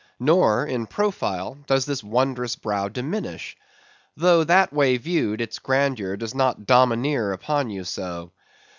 Nor, in profile, does this wondrous brow diminish; though that way viewed its grandeur does not domineer upon you so.